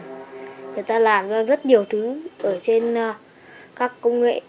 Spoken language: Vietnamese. người ta làm ra rất nhiều thứ ở trên các công nghệ